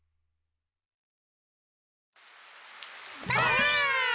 ばあっ！